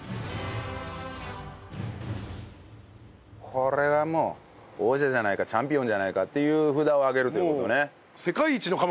これはもう王者じゃないかチャンピオンじゃないかっていう札を挙げるという事ね。